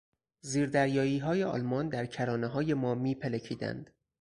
زیردریاییهای آلمان در کرانههای ما میپلکیدند.